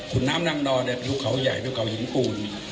คุณน้ำนั่งนอนเนี่ยอยู่เขาใหญ่อยู่เขาหิงปูน